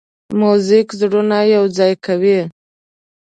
موزیک زړونه یوځای کوي.